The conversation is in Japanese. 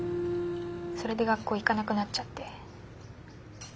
それで学校行かなくなっちゃって。